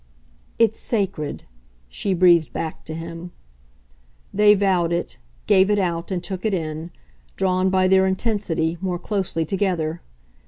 "It's sacred," she breathed back to him. They vowed it, gave it out and took it in, drawn, by their intensity, more closely together.